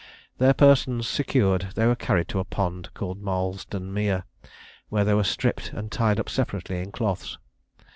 Their persons secured, they were carried to a pond, called Marlston Mere, where they were stripped and tied up separately in cloths.